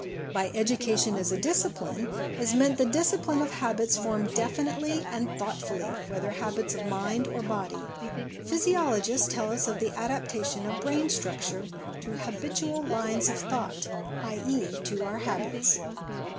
By EDUCATION IS A DISCIPLINE, is meant the discipline of habits formed definitely and thoughtfully, whether habits of mind or body. Physiologists tell us of the adaptation of brain structure to habitual lines of thought i.e., to our habits.